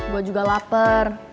gue juga lapar